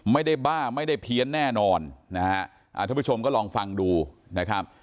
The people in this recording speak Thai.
ไม่ได้บ้าไม่ได้เพี้ยนแน่นอนนะฮะอ่าท่านผู้ชมก็ลองฟังดูนะครับ